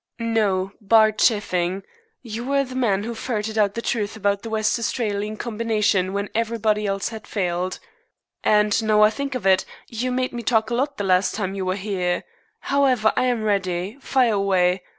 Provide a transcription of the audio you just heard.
"No; bar chaffing. You were the man who ferreted out the truth about that West Australian combination when everybody else had failed. And, now I think of it, you made me talk a lot the last time you were here. However, I am ready. Fire away!